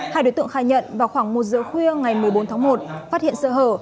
hai đối tượng khai nhận vào khoảng một giờ khuya ngày một mươi bốn tháng một phát hiện sơ hở